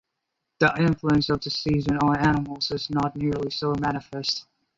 The influence of the seasons on animals is not nearly so manifest.